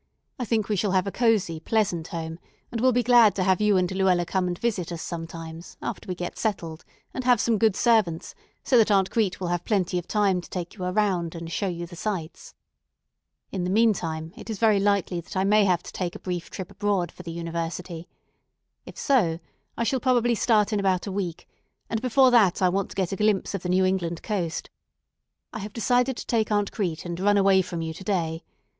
I think we shall have a cozy, pleasant home; and we'll be glad to have you and Luella come and visit us sometimes after we get settled and have some good servants so that Aunt Crete will have plenty of time to take you around and show you the sights. In the meantime, it is very likely that I may have to take a brief trip abroad for the university. If so, I shall probably start in about a week, and before that I want to get a glimpse of the New England coast. I have decided to take Aunt Crete, and run away from you to day.